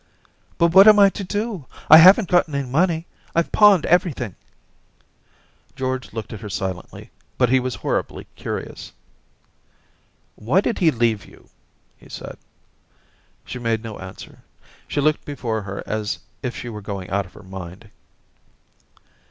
* But what am I to do? I haven't got any money ; Tve pawned everything.' George looked at her silently ; but he was horribly curious. * Why did he leave you }' he said. She made no answer; she looked before her as if she were going out of .her mind.